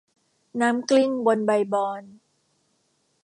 น้ำกลิ้งบนใบบอน